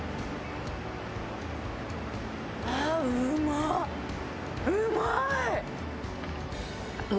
あぁうまい。